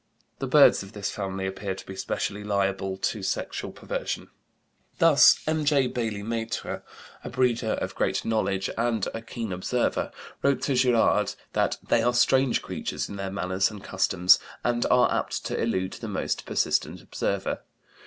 The birds of this family appear to be specially liable to sexual perversion. Thus M.J. Bailly Maitre, a breeder of great knowledge and a keen observer, wrote to Girard that "they are strange creatures in their manners and customs and are apt to elude the most persistent observer.